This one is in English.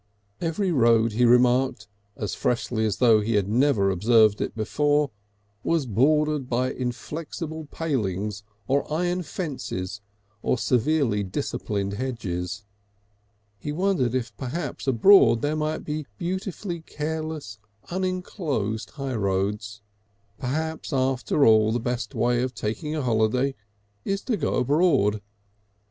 Every road he remarked, as freshly as though he had never observed it before, was bordered by inflexible palings or iron fences or severely disciplined hedges. He wondered if perhaps abroad there might be beautifully careless, unenclosed high roads. Perhaps after all the best way of taking a holiday is to go abroad.